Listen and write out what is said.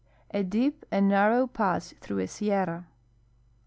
— A deep and narrow pass through a sierra.